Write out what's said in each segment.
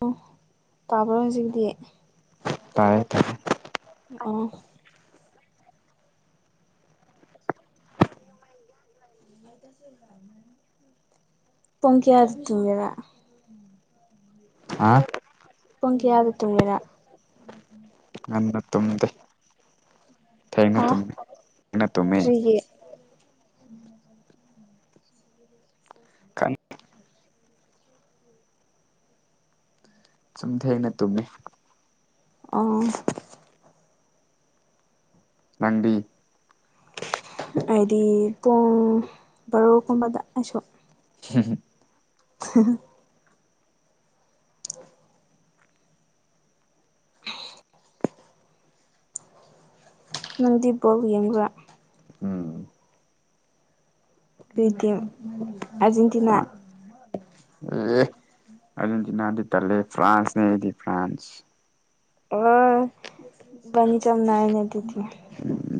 ꯑꯣ ꯇꯥꯕ꯭ꯔꯣ ꯍꯧꯖꯤꯛꯗꯤ ꯇꯥꯌꯦ ꯇꯥꯌꯦ ꯑꯣ ꯄꯨꯡ ꯀꯌꯥ ꯁꯨꯒ‌ꯦꯔ ꯑꯥ ꯄꯨꯡ ꯀꯌꯥꯗ ꯇꯨꯝꯒꯦ ꯅꯪ [inaudible] ꯉꯟꯅ ꯇꯨꯝꯗꯦ ꯊꯦꯡꯅ ꯍꯥ ꯇꯨꯝꯃꯤ ꯊꯦꯡꯅ ꯇꯨꯝꯃꯤ ꯀꯔꯤꯒꯤ ꯁꯨꯝ ꯊ‌ꯦꯡꯅ ꯇꯨꯝꯃ‌ꯦ ꯑ‌ꯣ ꯅꯪꯗꯤ ꯑꯩꯗꯤ ꯄꯨꯡ ꯕꯥꯔꯣꯒꯨꯝꯕꯗ ꯑꯩꯁꯨ [inaudible] [inaudible] [inaudible] ꯅꯪꯗꯤ ꯕꯣꯜ ꯌꯦꯡꯕ꯭ꯔꯥ ꯎꯝ ꯑꯗꯨꯏꯗꯤ ꯑꯔꯖꯦꯟꯇꯤꯅꯥ ꯇꯜꯂ‌ꯦ ꯑꯔꯖꯦꯟꯇꯤꯅꯥꯗꯤ ꯇꯜꯂꯦ ꯐ꯭ꯔꯥꯟꯁꯅꯦ ꯑꯩꯗꯤ ꯐ꯭ꯔꯥꯟꯁ ꯑꯣꯏ ꯏꯕꯥꯟꯅꯤ ꯆꯝꯅꯥ ꯑꯔꯖ‌ꯦꯟꯇꯤꯇꯤꯅ ꯎꯝ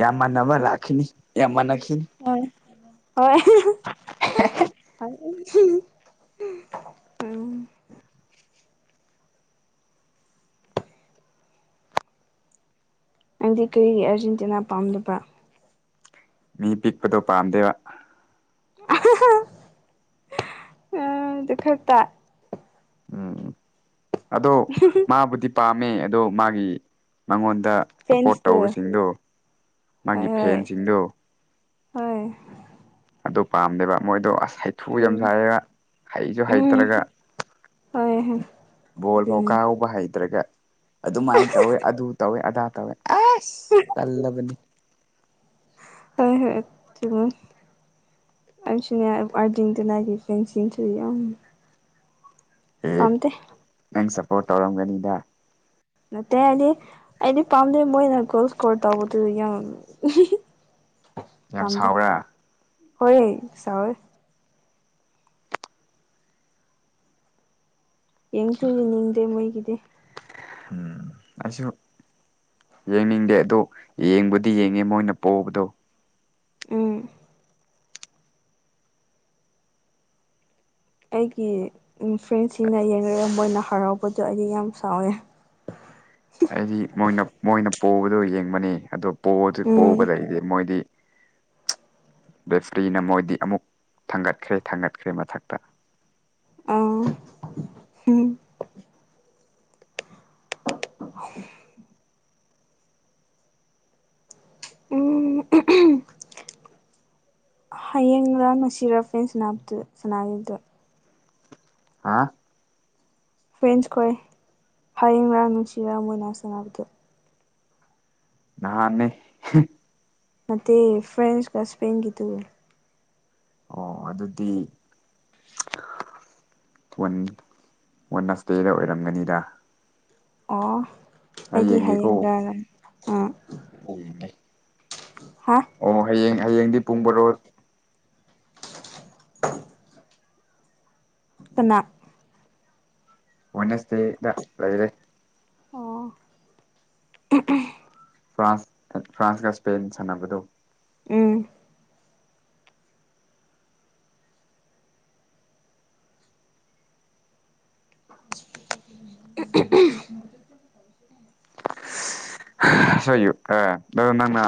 ꯌꯥꯝ ꯃꯟꯅꯕ ꯂꯥꯛꯈꯤꯅꯤ ꯌꯥꯝ ꯃꯟꯅꯥꯈꯤꯅꯤ ꯍ‌ꯣꯏ ꯍꯣꯏ ꯎꯝ ꯅꯪꯗꯤ ꯀꯔꯤꯒꯤ ꯑꯥꯔꯖꯦꯟꯇꯤꯅꯥ ꯄꯥꯝꯗꯕꯅ‌ꯣ ꯃꯤ ꯄꯤꯛꯄꯗꯣ ꯄꯥꯝꯗꯦꯕ ꯎꯝ ꯑꯗꯨ ꯈꯛꯇ ꯎꯝ ꯑꯗꯣ ꯃꯥꯕꯨꯗꯤ ꯄꯥꯝꯃꯦ ꯑꯗꯣ ꯃꯥꯒꯤ ꯃꯉꯣꯟꯗ ꯁꯞꯄꯣꯔꯠ ꯐꯦꯟꯁꯇꯨ ꯇꯧꯕꯁꯤꯡꯗꯣ ꯃꯥꯒꯤ ꯐꯦꯟꯁꯤꯡꯗꯣ ꯍ‌ꯣꯏ ꯑꯗꯨ ꯄꯥꯝꯗꯦꯕ ꯃꯣꯏꯗꯣ ꯑꯁ ꯍꯩꯊꯨ ꯎꯝ ꯌꯥꯝ ꯁꯥꯏ‌ꯌ‌ꯦꯕ ꯍꯩꯁꯨ ꯎꯝ ꯍꯩꯇ꯭ꯔꯒ ꯍꯣꯏ ꯍꯣꯏ ꯕꯣꯜ ꯐꯥꯎ ꯑꯗꯨꯅꯤ ꯀꯥꯎꯕ ꯍꯩꯇ꯭ꯔꯒ ꯑꯗꯨꯃꯥꯏꯅ ꯇꯧꯋꯦ ꯑꯗꯨ ꯇꯧꯋꯦ ꯑꯗꯥ ꯇꯧꯋꯦ ꯑꯁ ꯇꯜꯂꯕꯅꯤ ꯍꯣꯏ ꯍꯣꯏ ꯆꯨꯝꯃ‌ꯤ ꯑꯩꯁꯨꯅ‌ꯦ ꯑꯔꯖꯦꯟꯇꯤꯅꯥꯒꯤ ꯐꯦꯟꯁꯤꯡꯁ‌ꯦ ꯌꯥꯝ ꯑꯦ ꯄꯥꯝꯗꯦ ꯅꯪ ꯁꯞꯄꯣꯔꯠ ꯇꯧꯔꯝꯒꯅꯤꯗ ꯅꯠꯇꯦ ꯍꯥꯏꯗꯤ ꯑꯩꯗꯤ ꯄꯥꯝꯗꯦ ꯃꯣꯏꯅ ꯒꯣꯜ ꯏꯁꯀꯣꯔ ꯇꯧꯕꯗꯨ ꯌꯥꯝ ꯌꯥꯝ ꯄꯥꯝꯗꯦ ꯁꯥꯎꯕ꯭ꯔꯥ ꯍꯣꯏ ꯁꯥꯎꯋꯦ ꯌꯦꯡꯁꯨ ꯌꯦꯡꯅꯤꯡꯗꯦ ꯃꯣꯏꯒꯤꯗꯤ ꯍꯝ ꯑꯩꯁꯨ ꯌꯦꯡꯅꯤꯡꯗꯦ ꯑꯗꯣ ꯌꯦꯡꯕꯨꯗꯤ ꯌꯦꯡꯉꯦ ꯃꯣꯏꯅ ꯄ‌ꯣꯕꯗꯣ ꯎꯝ ꯑꯩꯒꯤ ꯎꯝ ꯐ꯭ꯔꯦꯟꯁꯤꯡꯅ ꯌꯦꯡꯉꯥꯒ ꯃ‌ꯣꯏꯅ ꯍꯔꯥꯎꯕꯗꯣ ꯑꯩꯗꯤ ꯌꯥꯝ ꯁꯥꯎꯋꯦ ꯑꯩꯗꯤ ꯃꯣꯏꯅ ꯃꯣꯏꯅ ꯄꯣꯕꯗꯣ ꯌꯦꯡꯕꯅꯤ ꯑꯗꯣ ꯄ‌ꯣꯗꯤ ꯎꯝ ꯄꯣꯕꯗꯩꯗꯤ ꯃꯣꯏꯗꯤ ꯔ‌ꯦꯐ꯭ꯔꯤꯅ ꯃꯣꯏꯗꯤ ꯑꯃꯨꯛ ꯊꯥꯡꯒꯠꯈ꯭ꯔꯦ ꯊꯥꯡꯒꯠꯈ꯭ꯔꯦ ꯃꯊꯛꯇ ꯑ ꯍꯝ [inaudible] ꯎꯝ ꯍꯌꯦꯡꯔꯥ ꯉꯥꯁꯤꯔ ꯐꯔ‌ꯦꯟꯁ ꯁꯥꯟꯅꯕꯗꯨ ꯁꯥꯟꯅꯈꯤꯕꯗꯣ ꯍꯥ ꯐ꯭ꯔꯦꯟꯁ ꯈꯣꯏ ꯍꯌꯦꯡꯔꯥ ꯅꯨꯡꯁꯤꯔ ꯃꯣꯏꯅ ꯁꯥꯟꯅꯕꯗꯨꯣ ꯅꯅꯦ ꯃꯦ ꯐ꯭ꯔꯦꯟꯁ ꯀꯁꯄꯦꯟꯒꯗꯨ ꯑꯣ ꯑꯗꯨꯗꯤ ꯋꯥꯟ ꯋꯥꯟ ꯅꯁꯇꯦꯗ ꯑꯣꯏꯔꯝꯒꯅꯤꯗ ꯑꯣ ꯑꯩ ꯑꯩꯗꯤ ꯌꯦꯡꯒꯦꯀꯣ ꯍꯌꯦꯡꯒ ꯑꯥ ꯍꯥ ꯑꯣ ꯍꯌꯦꯡ ꯍꯌꯦꯡꯗꯤ ꯄꯨꯡ ꯕꯔꯣ ꯏꯠꯇꯅꯥ ꯋꯦꯅꯦꯁꯗꯦꯗ ꯂꯩꯔꯦ ꯍ‌ꯣ ꯐ꯭ꯔꯥꯟꯁ ꯑ ꯐ꯭ꯔꯥꯟꯁꯀ ꯏꯁꯄꯦꯟ ꯁꯥꯟꯅꯕꯗꯣ ꯎꯝ [unintelligible] [inaudible] [unintelligible] ꯑꯁꯩꯌꯨ ꯑ ꯑꯗꯣ ꯅꯪꯅ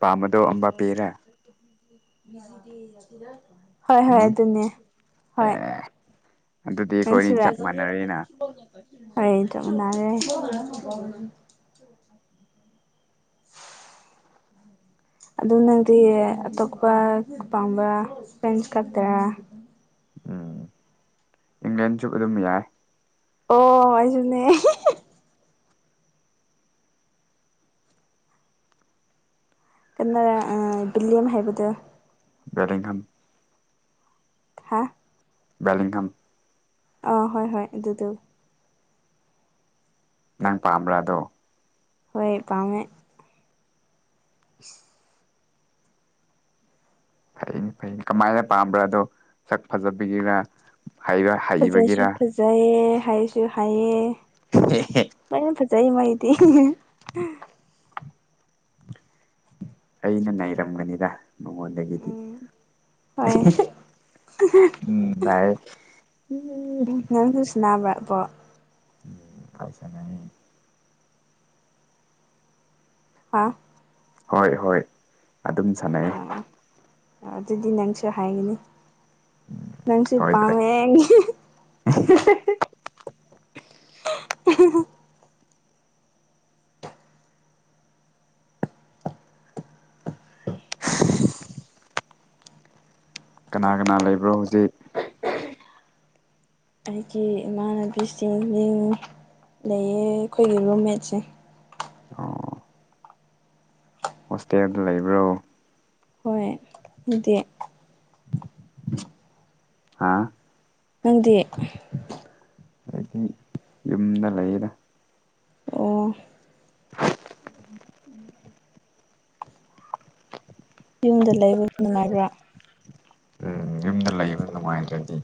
ꯄꯥꯝꯕꯗꯣ ꯑꯝꯕꯄ‌ꯦꯔ [inaudible] [inaudible] ꯍꯣꯏ ꯍꯣꯏ ꯎꯝ ꯑꯗꯨꯅꯦ ꯍꯣꯏ ꯑꯦ ꯑꯗꯨꯗꯤ ꯑꯩꯈꯣꯏꯅꯤ ꯅꯪꯁꯨꯔꯥ ꯆꯞ ꯃꯥꯟꯅꯔꯦꯅ ꯍꯣꯏ ꯆꯞ ꯃꯟꯅꯔꯦ ꯑꯗꯨ ꯅꯪꯗꯤ ꯑꯇꯣꯞꯄ ꯄꯥꯝꯕ꯭ꯔꯥ ꯐꯔ‌ꯦꯟꯁ ꯈꯛꯇꯔꯥ ꯎꯝ ꯏꯪꯂꯦꯟꯁꯨ ꯑꯗꯨꯝ ꯌꯥꯏ ꯑꯣꯖꯅꯦ ꯀꯟꯅꯔ ꯑ ꯕꯤꯂꯤꯌꯝ ꯍꯥꯏꯕꯗꯣ ꯕꯗꯤꯡꯍꯟ ꯍꯥ ꯕꯦꯂꯤꯡꯍꯝ ꯑ ꯍꯣꯏ ꯍꯣꯏ ꯑꯗꯨꯗꯣ ꯅꯪ ꯄꯥꯝꯕ꯭ꯔꯥ ꯑꯗꯣ ꯍꯣꯏ ꯄꯥꯝꯃꯦ [inaudible] ꯐꯩꯅꯦ ꯐꯩꯅꯦ ꯀꯃꯥꯏꯅ ꯄꯥꯝꯕ꯭ꯔꯥ ꯑꯗꯣ ꯁꯛ ꯐꯖꯕꯤꯒꯔꯥ ꯍꯩꯔꯥ ꯐꯖꯁꯨ ꯐꯖꯩꯌꯦ ꯍꯥꯏꯁꯨ ꯍꯥꯏꯑ ꯍ ꯍ ꯃꯅ ꯐꯖꯩ ꯃꯥꯏꯗꯤ ꯑꯩꯅ ꯅꯩꯔꯝꯒꯅꯤꯗ ꯃꯉꯣꯟꯗꯒꯤꯗꯤ ꯎꯝ ꯍꯣꯏ ꯎꯝ ꯏ ꯎ ꯅꯥꯕꯔ ꯑꯕꯣ [unintelligible] ꯍꯥ ꯍꯣꯏ ꯍꯣꯏ ꯑꯗꯨꯝ ꯁꯥꯟꯅꯩ ꯑꯥ ꯑꯗꯨꯗꯤ ꯅꯪꯁꯨ ꯍꯥꯏꯒꯅꯤ ꯅꯟꯁꯤ ꯁꯣꯏꯗ꯭ꯔꯦ ꯄꯃꯦꯦ [unintelligible] [unintelligible] [inaudible] ꯀꯅꯥ ꯀꯅꯥ ꯂꯩꯕ꯭ꯔꯣ ꯍꯧꯖꯤꯛ ꯑꯩꯒꯤ ꯏꯃꯥꯟꯅꯕꯤ ꯆꯤꯡ ꯂꯩꯌꯦ ꯑꯩꯈꯣꯏꯒꯤ ꯔꯨꯝꯃꯦꯠꯁꯦ ꯑꯣ ꯍꯣꯁꯇꯦꯜꯗ ꯂꯩꯕ꯭ꯔꯣ ꯍꯣꯏ ꯅꯠꯇꯦ ꯍꯥꯥ ꯅꯪꯗꯤ ꯑꯩꯗꯤ ꯌꯨꯝꯗ ꯂꯩꯌꯦꯗ ꯑꯣ ꯎꯝ ꯌꯨꯝꯗ ꯂꯩꯕꯗ ꯅꯨꯡꯉꯥꯏꯕ꯭ꯔꯥ ꯎꯝ ꯌꯨꯝꯗ ꯂꯩꯕ ꯅꯨꯡꯉꯥꯏꯗꯔꯗꯤ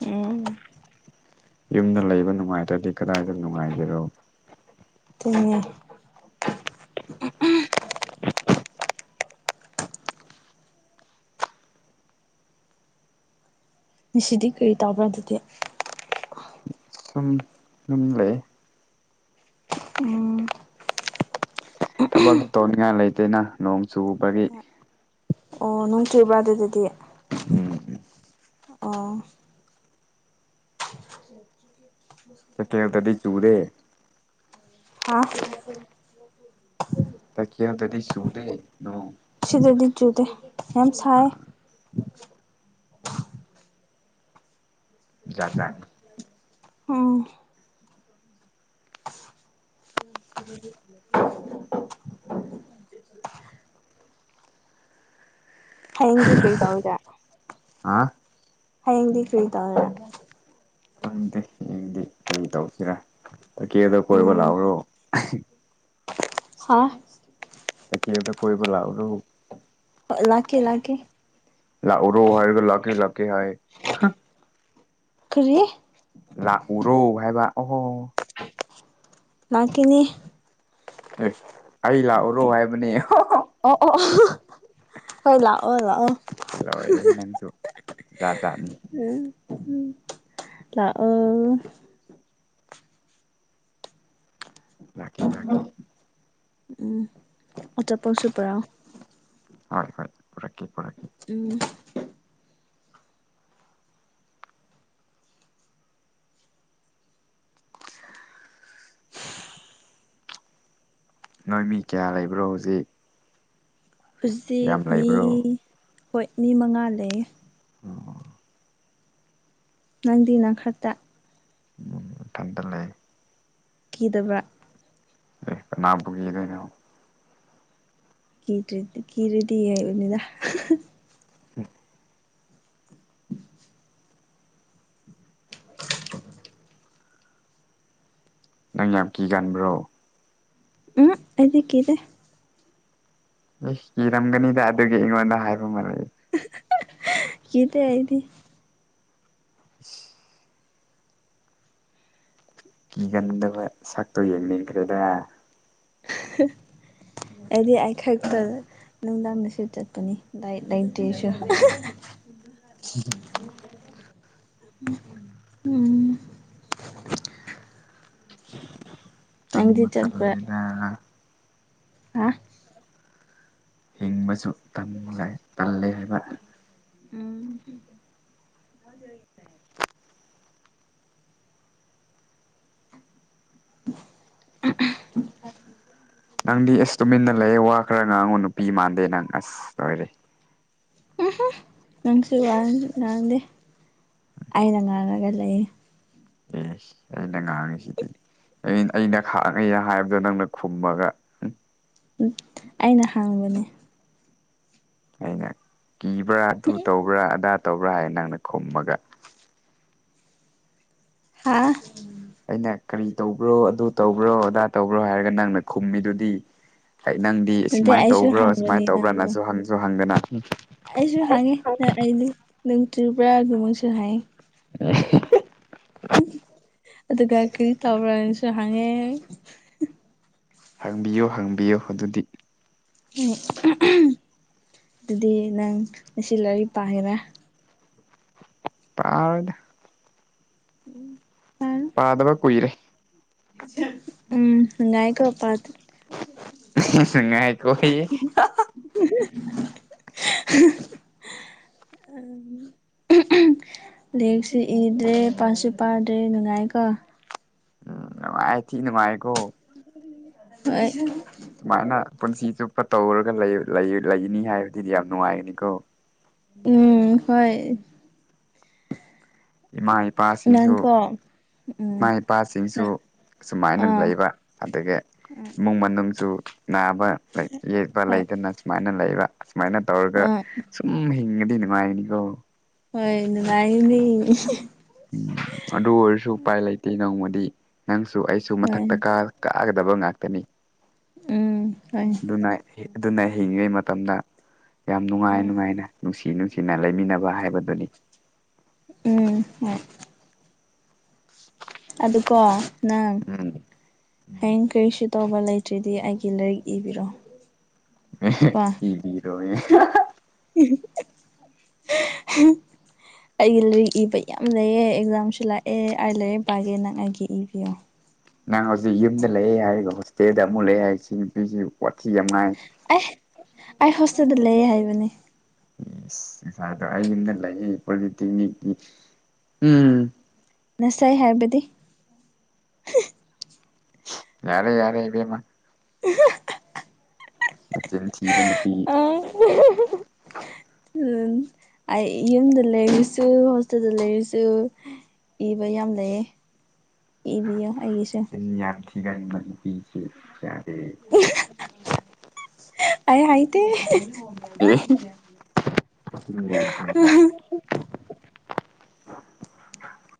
ꯎꯝ ꯌꯨꯝꯗ ꯂꯩꯕ ꯅꯨꯡꯉꯥꯏꯇ꯭ꯔꯗꯤ ꯀꯗꯥꯏꯗ ꯅꯨꯡꯉꯥꯏꯒꯦꯔꯣ ꯇꯨꯡꯉꯦ ꯁꯤꯗꯤ ꯀꯔꯤ ꯇꯕ꯭ꯔꯥ ꯑꯗꯨꯗꯤ ꯁꯨꯝ ꯑꯗꯨꯨꯝ ꯂꯩ ꯎꯝ ꯊꯕꯛ ꯇꯧꯅꯤꯡꯉꯥꯏ ꯂꯩꯇꯦꯅ ꯅꯣꯡ ꯆꯨꯕꯒꯤ ꯑꯣ ꯅꯨꯡꯊꯤꯕ ꯑꯗꯨꯗꯗꯤ ꯎꯝ ꯑꯣ [inaudible] ꯆ ꯀꯦꯟ ꯇꯗꯤ ꯆꯨꯗꯦ ꯑꯥ ꯇ ꯈꯦꯗꯗꯤ ꯁꯨꯗꯦ ꯅ ꯁꯤꯗꯗꯤ ꯆꯨꯗꯦ ꯌꯥꯝ ꯁꯥꯏ ꯖꯥꯠꯖꯥꯠꯅꯤ ꯎꯝ ꯎ ꯍꯌꯦꯡꯗꯤ ꯀꯔꯤ ꯇꯧꯏꯔꯦ ꯍꯥ ꯍꯌꯦꯡꯗꯤ ꯀꯔꯤ ꯇꯧꯏꯔꯦ ꯈꯪꯗꯦ ꯌꯦꯡꯗꯦ ꯀꯔꯤ ꯇꯧꯁꯤꯔꯥ ꯇꯀꯦꯗ ꯀꯣꯏꯕ ꯎꯝ ꯂꯥꯛꯎꯔꯣ ꯍꯥ ꯇꯛꯌꯦꯜꯗ ꯀꯣꯏꯕ ꯂꯥꯛꯎꯔꯣ ꯍꯣ ꯂꯥꯛꯀꯦ ꯂꯥꯛꯀꯦ ꯂꯥꯛꯎꯔꯣ ꯍꯥꯏꯔꯒ ꯂꯀꯦ ꯂꯀꯦ ꯍꯥꯏ ꯀ꯭ꯔꯤ ꯂꯥꯛꯎꯔꯣ ꯍꯥꯏꯕ ꯑꯣꯍꯣ ꯂꯥꯛꯀꯅꯤ ꯑꯦ ꯑꯩ ꯂꯥꯛꯎꯔꯣ ꯍꯥꯏꯕꯅꯦ ꯑꯣ ꯑꯣ ꯑꯣ ꯍꯣꯏ ꯂꯥꯛꯑꯣ ꯂꯥꯛꯑꯣ ꯂꯣꯏꯔꯦꯍꯦ ꯅꯪꯁꯨ ꯖꯥꯠ ꯖꯥꯠꯅꯤ ꯎꯝ ꯎ ꯂꯥꯛꯑꯣ ꯂꯥꯛꯀꯦ ꯂꯥꯛꯀꯦ ꯎꯝ ꯑ ꯆꯞꯄꯁꯨꯄꯔ ꯍꯣꯏ ꯍꯣꯏ ꯄꯨꯔꯛꯀꯦ ꯄꯨꯔꯛꯀꯦ ꯎꯝ ꯅꯣꯏ ꯃꯤ ꯀꯌꯥ ꯂꯩꯕ꯭ꯔꯣ ꯍꯧꯖꯤꯛ ꯍꯨꯖꯤꯛ ꯌꯥꯝ ꯃꯤ ꯂꯩꯕ꯭ꯔꯣ ꯍꯣꯏ ꯃꯤ ꯃꯉꯥ ꯂꯩ ꯎꯝ ꯅꯪꯗꯤ ꯅꯪ ꯈꯔꯇ ꯎꯝ ꯊꯟꯗ ꯂꯩ ꯀꯤꯗꯕ꯭ꯔꯥ ꯑꯦ ꯀꯅꯥꯕꯨꯒꯤꯗꯣꯏꯅꯣ ꯀꯤꯔꯤꯔꯤ ꯀꯔꯤꯗꯤ ꯍꯥꯏꯏꯕꯅꯤꯗ ꯎꯝ [inaudible] ꯅꯪ ꯌꯥꯝ ꯀꯤ ꯀꯟꯥꯟꯕ꯭ꯔꯣ ꯎꯝ ꯑꯩꯗꯤ ꯀꯤꯗꯦ ꯑꯦ ꯀꯤꯔꯝꯒꯅꯤꯗ ꯑꯗꯨꯒꯤ ꯑꯩꯉꯣꯟꯗ ꯍꯥꯏꯕ ꯃꯥꯜꯂꯦ ꯀꯤꯗꯦ ꯑꯩꯗꯤ [inaudible] ꯀꯤꯒꯟꯗꯕ ꯁꯛꯇꯣ ꯌꯦꯡꯅꯤꯡꯈ꯭ꯔꯦꯗ [unintelligible] ꯑꯩꯗꯤ ꯑꯩ ꯈꯛꯇ ꯅꯨꯡꯗꯥꯡꯗꯁꯨ ꯆꯠꯄꯅꯦ ꯂꯥꯏꯠ ꯂꯩꯇꯦꯁꯨ [unintelligible] ꯎꯝ ꯅꯪꯗꯤ ꯇꯥꯟꯕꯨ ꯆꯠꯄ꯭ꯔꯥ ꯇꯟꯂꯦꯗ ꯍꯥ [unintelligible] ꯍꯤꯡꯕꯁꯨ ꯇꯝ ꯂꯥꯛꯦ ꯇꯜꯂꯦ ꯍꯥꯏꯕ ꯎꯝ [unintelligible] ꯅꯪꯗꯤ ꯑꯦꯁ ꯇꯨꯃꯤꯟꯅ ꯂꯩꯌꯦ ꯋꯥ ꯈꯔ ꯉꯥꯡꯉꯣ ꯅꯨꯄꯤ ꯃꯥꯟꯗꯦ ꯅꯪ ꯑꯁ ꯂꯣꯏꯔꯦ ꯎꯝꯍꯨꯝ ꯅꯪꯁꯨ ꯌꯥꯝ ꯉꯥꯡꯗꯦ ꯑꯩꯅ ꯉꯥꯡꯉꯒ ꯂꯩꯌꯦ ꯑꯦꯁ ꯑꯩꯅ ꯉꯥꯡꯉꯤꯁꯤꯗꯤ ꯑꯩ ꯑꯩꯅ ꯈꯥꯛ ꯉꯩꯍꯦ ꯍꯥꯏꯕꯗ ꯅꯪꯅ ꯈꯨꯝꯃꯒ ꯎꯝ ꯑꯩꯅ ꯍꯪꯕꯥꯅꯦ ꯑꯩꯅ ꯀꯤꯕ꯭ꯔꯥ ꯑꯗꯨ ꯇꯧꯕ꯭ꯔꯥ ꯑꯗꯥ ꯇꯧꯕ꯭ꯔꯥ ꯍꯥꯏ ꯅꯪꯅ ꯈꯨꯝꯃꯒ ꯍꯥꯥ ꯑꯩꯅ ꯀꯔꯤ ꯇꯧꯕ꯭ꯔꯣ ꯑꯗꯨ ꯇꯧꯕ꯭ꯔꯣ ꯑꯗꯥ ꯇꯧꯕ꯭ꯔꯣ ꯍꯥꯏꯔꯒ ꯅꯪꯅ ꯈꯨꯝꯃꯤꯗꯨꯗꯤ ꯑꯩ ꯅꯪꯗꯤ ꯅꯠꯇꯦ ꯁꯨꯃꯥꯏꯅ ꯑꯩꯁꯨ ꯇꯧꯕ꯭ꯔꯣ ꯍꯥꯡꯕꯅꯤ ꯁꯨꯃꯥꯏꯅ ꯇꯧꯕ꯭ꯔꯥ ꯅꯪꯕꯨ ꯅꯁꯨ ꯍꯪꯁꯨ ꯍꯪꯗꯅ ꯑꯩꯁꯨ ꯍꯥꯡꯉꯦ ꯑꯩ ꯅ ꯅꯨꯡ ꯆꯨꯕ꯭ꯔꯥꯒꯨꯝꯕꯁꯨ ꯍꯥꯏꯌꯦ ꯑꯗꯨꯒ ꯀꯔꯤ ꯇꯧꯕꯅꯁꯨ ꯍꯪꯉꯦ ꯍꯥꯡꯕꯤꯌꯨ ꯍꯥꯡꯕꯤꯌꯨ ꯑꯗꯨꯗꯤ ꯎꯝ ꯑꯗꯨꯗꯤ ꯅꯪ ꯉꯁꯤ ꯂꯥꯏꯔꯤꯛ ꯄꯥꯔꯤꯔꯥ ꯄꯥꯔꯦꯗ ꯎꯝ ꯄꯥꯗꯕ ꯀꯨꯏꯔꯦ ꯎꯝ ꯅꯨꯡꯉꯥꯏ ꯀꯣ ꯄꯥꯗ ꯉꯥꯏꯈꯣꯍꯦ [unintelligible] ꯂꯦꯛꯁꯨ ꯏꯗ꯭ꯔꯦ ꯄꯥꯠꯁꯨ ꯄꯥꯗ꯭ꯔꯦ ꯅꯨꯡꯉꯥꯏꯀꯣ ꯑꯥꯏ ꯊꯤꯅꯨꯡ ꯅꯨꯡꯉꯥꯏꯀꯣ ꯍꯣꯏ ꯁꯨꯃꯥꯏꯅ ꯄꯨꯟꯁꯤ ꯆꯨꯞꯄ ꯇꯧꯔꯒ ꯂꯩꯅꯤ ꯍꯥꯏꯕꯗꯨꯗꯤ ꯌꯥꯝ ꯅꯨꯡꯉꯥꯏꯒꯅꯤꯀꯣ ꯎꯝ ꯍꯣꯏ ꯏꯃꯥ ꯏꯄꯥꯁꯤꯡꯁꯨ ꯅꯪꯀꯣ ꯎꯝ ꯏꯃꯥ ꯏꯄꯥꯁꯤꯡꯁꯨ ꯑꯁꯨꯃꯥꯏꯅ ꯑꯥ ꯂꯩꯕ ꯑꯗꯨꯒ ꯎꯝ ꯏꯃꯨꯡ ꯃꯅꯨꯡꯁꯨ ꯅꯥꯕ ꯂꯥꯏꯛ ꯌꯦꯛꯄ ꯍꯣꯏ ꯂꯩꯗꯅ ꯁꯨꯃꯥꯏꯅ ꯂꯩꯕ ꯁꯨꯃꯥꯏꯅ ꯇꯧꯔꯒ ꯑꯥ ꯁꯨꯝ ꯍꯤꯡꯉꯗꯤ ꯅꯨꯡꯉꯥꯏꯅꯤꯀꯣ ꯍꯣꯏ ꯅꯨꯡꯉꯥꯏꯌꯤꯅꯦ ꯎꯝ ꯑꯗꯨ ꯑꯣꯏꯔꯁꯨ ꯎꯄꯥꯏ ꯂꯩꯇꯦ ꯅꯣꯡꯃꯗꯤ ꯅꯪꯁꯨ ꯑꯩꯁꯨ ꯍꯣꯏ ꯃꯊꯛꯇ ꯀꯥ ꯀꯥꯒꯗꯕ ꯉꯥꯛꯇꯅꯤ ꯎꯝ ꯇꯥꯏ ꯅꯨꯡꯉꯥꯏ ꯍꯦ ꯑꯗꯨꯅ ꯍꯤꯡꯉꯤꯉꯩ ꯃꯇꯝꯗ ꯌꯥꯝ ꯅꯨꯡꯉꯥꯏ ꯅꯨꯡꯉꯥꯏꯅ ꯅꯨꯡꯁꯤ ꯅꯨꯡꯁꯤꯅ ꯂꯩꯃꯤꯟꯅꯕ ꯍꯥꯏꯕꯗꯨꯅꯤ ꯎꯝ ꯍꯣꯏ ꯑꯗꯨꯀꯣ ꯅꯪ ꯎꯝ ꯍꯌꯦꯡ ꯀꯔꯤꯁꯨ ꯇꯧꯕ ꯂꯩꯇ꯭ꯔꯗꯤ ꯑꯩꯒꯤ ꯂꯥꯏꯔꯤꯛ ꯏꯕꯤꯔꯣ ꯑꯦꯍꯦ ꯀꯣ ꯏꯕꯤꯔꯣꯌꯦ ꯑꯍꯥ ꯍꯥ [unintelligible] ꯑꯩꯒꯤ ꯂꯥꯏꯔꯤꯛ ꯏꯕ ꯌꯥꯝ ꯂꯩꯌꯦ ꯑꯦꯛꯖꯥꯝꯁꯨ ꯂꯥꯛꯑꯦ ꯑꯩꯥꯏ ꯂꯥꯏꯔꯛ ꯄꯥꯒꯦ ꯅꯪ ꯑꯩꯒꯤ ꯏꯕꯤꯌꯣ ꯅꯪ ꯍꯧꯖꯤꯛ ꯌꯨꯝꯗ ꯂꯩꯑꯦ ꯍꯥꯏꯔꯒ ꯍꯣꯁꯇꯦꯜꯗ ꯑꯃꯨꯛ ꯂꯩꯑꯦ ꯍꯥꯏꯁꯤ ꯅꯨꯄꯤꯁꯤ ꯋꯥꯊꯤ ꯌꯥꯝ ꯉꯥꯏ ꯑꯩ ꯑꯩ ꯍꫭꯁꯇꯦꯜꯗ ꯂꯩꯌꯦ ꯍꯥꯏꯕꯅꯤ ꯏꯁꯥꯗꯣ ꯑꯩ ꯌꯨꯝꯗ ꯂꯩ ꯄꯣꯂꯤꯇꯦꯛꯅꯤꯛꯀꯤ ꯎꯝ ꯉꯁꯥꯏ ꯍꯥꯏꯕꯗꯤ ꯌꯥꯔꯦ ꯌꯥꯔꯦ ꯏꯕꯦꯝꯃ ꯃꯆꯤꯟ ꯊꯤꯕ ꯅꯨꯄꯤ ꯑꯥ ꯎꯝ ꯑꯩ ꯌꯨꯝꯗ ꯂꯩꯔꯥꯁꯨ ꯍꯣꯁꯇꯦꯜꯗ ꯂꯩꯔꯁꯨ ꯏꯕ ꯌꯥꯝ ꯂꯩꯌꯦ ꯏꯕꯤꯌꯨ ꯑꯩꯒꯤꯁꯨ ꯃꯤ ꯌꯥꯝ ꯀꯤꯒꯟꯕ ꯅꯨꯄꯤꯖꯤ ꯌꯥꯗꯦ ꯑꯩ ꯍꯥꯏꯗꯦ ꯑꯦ